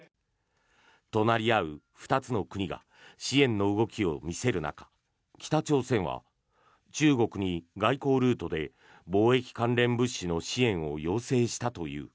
隣り合う２つの国が支援の動きを見せる中北朝鮮は中国に外交ルートで防疫関連物資の支援を要請したという。